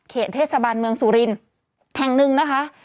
เทศบาลเมืองสุรินทร์แห่งหนึ่งนะคะ